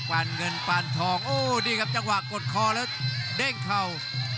ปานเงินปานทองโอ้นี่ครับจังหวะกดคอแล้วเด้งเข่า